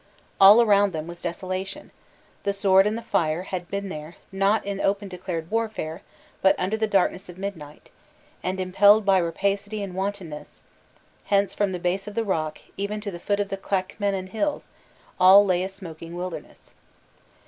All around them was desolation; the sword and the fire had been there, not in open declared warfare, but under the darkness of midnight, and impelled by rapacity and wantonness; hence from the base of the rock, even to the foot of the Clackmannan Hills, all lay a smoking wilderness.